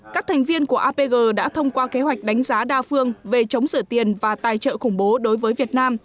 các thành viên của apg đã thông qua kế hoạch đánh giá đa phương về chống sửa tiền và tài trợ khủng bố đối với việt nam